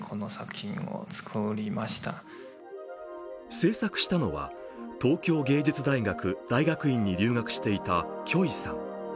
制作したのは東京芸術大学大学院に留学していた許イさん。